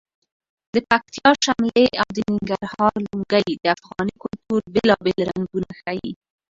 د پکتیا شملې او د ننګرهار لنګۍ د افغاني کلتور بېلابېل رنګونه ښیي.